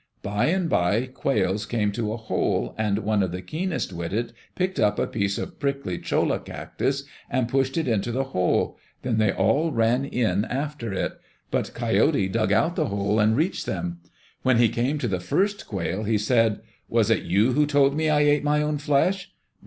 By and by Quails came to a hole, and one of the keenest witted picked up a piece of prickly cholla cactus and pushed it into the hole; then they all ran in after it. But Coyote dug out the hole and reached them. When he came to the first quail he said, "Was it you who told me I ate my own flesh?"